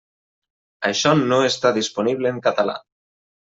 Això no està disponible en català.